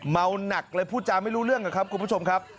เมาหนักเลยพูดจาไม่รู้เรื่องนะครับคุณผู้ชมครับ